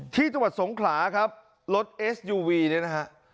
ที่ตะวัดสงขลาครับรถเอสยูวีนี้นะฮะ